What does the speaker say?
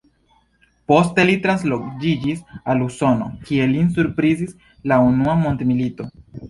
Poste li transloĝiĝis al Usono, kie lin surprizis la unua mondmilito.